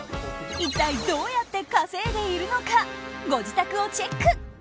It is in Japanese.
一体どうやって稼いでいるのかご自宅をチェック。